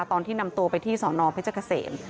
ตอนที่นำตัวไปที่สอนอเพชรเกษม